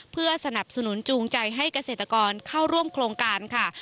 เพื่อสนับสนุนจูงใจให้เกษตรกรเข้าร่วมโครงการค่ะ